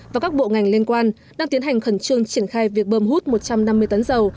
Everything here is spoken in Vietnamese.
và các bộ ngành liên quan đang tiến hành khẩn trương triển khai việc bơm hút một trăm năm mươi tấn dầu